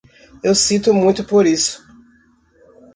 Eu sinto muito por isso.